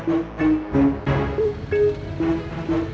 pasti yang nyepet temen kamu